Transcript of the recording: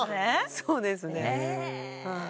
そうですねはい。